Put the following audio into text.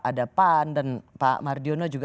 ada pan dan pak mardiono juga